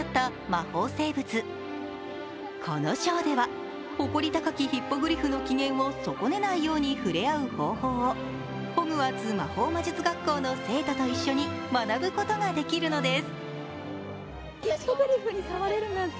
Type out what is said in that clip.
このショーでは、誇り高きヒッポグリフの機嫌を損ねないように触れ合う方法をホグワーツ魔法魔術学校の生徒と一緒に学ぶことができるのです。